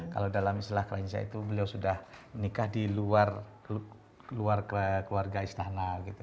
kalau dalam istilah kerencah itu beliau sudah nikah di luar keluarga istana gitu